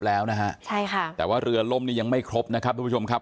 แล้วนะฮะใช่ค่ะแต่ว่าเรือล่มนี่ยังไม่ครบนะครับทุกผู้ชมครับ